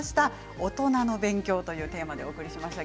おとなの勉強というテーマでお送りしました。